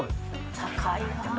高いな。